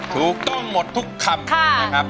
ถูกต้องหมดทุกคำ